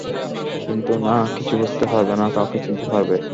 কিন্তু না কিছু বুঝতে পারবে না কাউকে চিনতে পারবে।